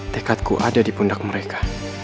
tekadku ada di pundak mereka